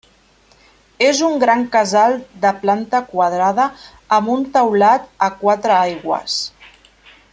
És un gran casal de planta quadrada amb un teulat a quatre aigües.